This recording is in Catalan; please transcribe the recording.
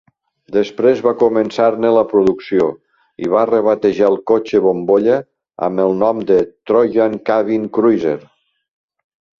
Després va començar-ne la producció i va rebatejar el cotxe bombolla amb el nom de "Trojan Cabin Cruiser".